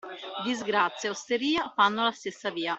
Disgrazia e osteria fanno la stessa via.